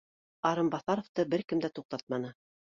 Арынбаҫаровты бер кем дә туҡтатманы